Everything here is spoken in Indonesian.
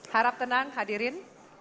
harap tenang hadirin